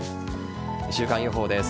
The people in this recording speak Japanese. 週間予報です。